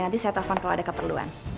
nanti saya telepon kalau ada keperluan